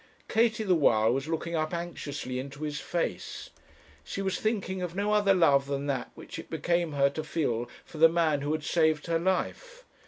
Katie the while was looking up anxiously into his face. She was thinking of no other love than that which it became her to feel for the man who had saved her life.